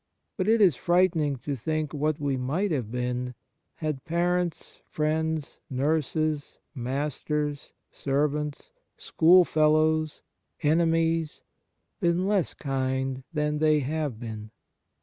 But it is frightening to think what we might have been had parents, friends, nurses, masters, servants, schoolfellows, enemies, been less kind than they have been.